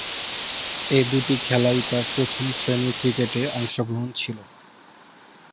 এ দুটি খেলাই তার প্রথম-শ্রেণীর ক্রিকেটে অংশগ্রহণ ছিল।